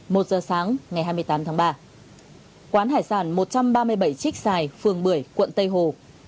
một giờ sáng ngày hai mươi tám tháng ba quán hải sản một trăm ba mươi bảy trích xài phường bưởi quận tây hồ